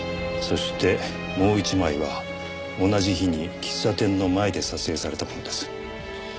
そしてもう１枚は同じ日に喫茶店の前で撮影されたものです。